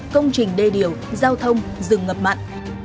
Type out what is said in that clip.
công trình đê điểu giao thông rừng ngập mặn